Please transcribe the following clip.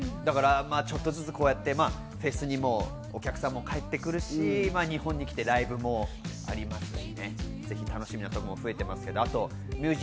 ちょっとずつフェスにもお客さんも帰ってくるし、日本に来てライブもありますし、ぜひ楽しみなことも増えています。